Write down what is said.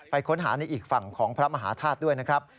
ค้นหาในอีกฝั่งของพระมหาธาตุด้วยนะครับ